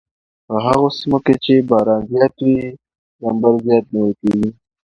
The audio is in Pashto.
په هغو سیمو کې چې باران زیات وي کمبر زیات نیول کیږي